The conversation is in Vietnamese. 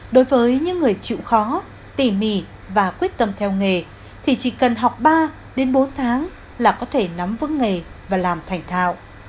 đối với những người chịu khó tỉ mỉ và quyết tâm theo nghề thì chỉ cần học ba đến bốn tháng là có thể nắm vững nghề và làm thành thạo